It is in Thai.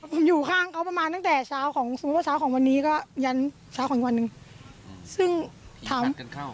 มันอยู่ข้างเขาประมาณตั้งแต่เช้าของสมมุติว่าเช้าของวันนี้ก็ยันเช้าของอีกวันหนึ่งซึ่งถามกันเข้า